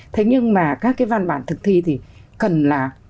thế nhưng mà các cái văn bản thực thi thì cần là